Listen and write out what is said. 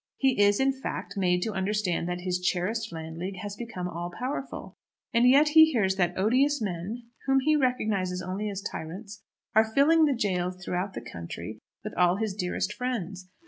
He is, in fact, made to understand that his cherished Landleague has become all powerful. And yet he hears that odious men, whom he recognises only as tyrants, are filling the jails through the country with all his dearest friends.